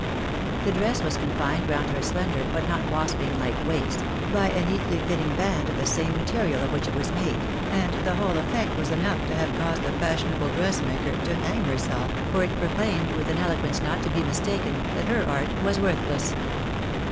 The dress was confined round her slender, but not wasp Uke waste, by a neatly fitted band of the same material of which it was made, and the whole effect was enough to have caused a fashionable dressmaker to hang herself, for it proclaimed, with an eloquence not to be mistaken, that her art was worthless.